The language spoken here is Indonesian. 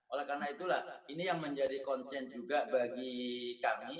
oleh karena itulah ini yang menjadi concern juga bagi kami